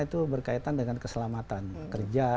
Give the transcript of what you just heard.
itu berkaitan dengan keselamatan kerja